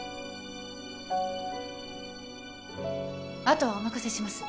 あとはお任せします。